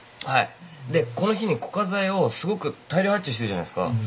はいでこの日に固化材をすごく大量発注してるじゃないすか。